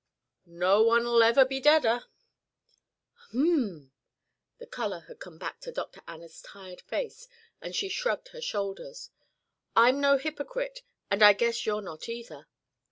"No one'll ever be deader." "H'm!" The color had come back to Dr. Anna's tired face and she shrugged her shoulders. "I'm no hypocrite, and I guess you're not either."